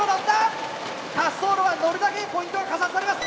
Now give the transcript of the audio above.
滑走路はのるだけポイントが加算されます。